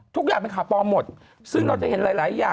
ทุกอย่างเป็นข่าวปลอมหมดซึ่งเราจะเห็นหลายหลายอย่าง